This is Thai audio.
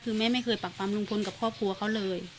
คือแม่ไม่เคยปรับปรรมลงพลกับพ่อบัวเขาเลย